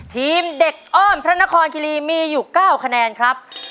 ทีมเด็กอ้อมพระนครคิรีมีอยู่๙คะแนนครับ